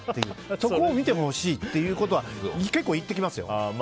そこを見てほしいということは結構言ってきますよ。